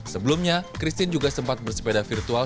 sebelumnya christine juga sempat bersepeda virtual